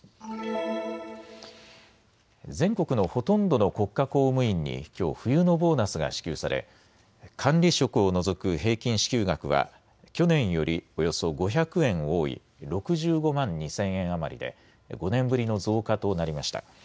全国のほとんどの国家公務員にきょう、冬のボーナスが支給され管理職を除く平均支給額は去年よりおよそ５００円多い６５万２０００円余りで５年ぶりの増加となりました。